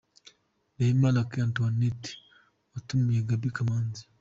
Rehema Lucky Antoinette watumiye Gaby Kamanzi.